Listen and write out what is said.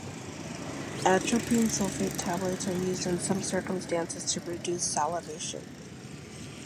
Atropine sulfate tablets are used in some circumstances to reduce salivation.